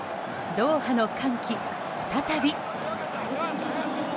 ドーハの歓喜、再び！